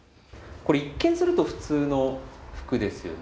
これ一見すると普通の服ですよね。